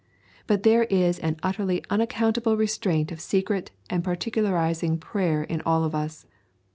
But there is an utterly unaccountable restraint of secret and particularising prayer in all of us.